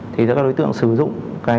thì các đối tượng sử dụng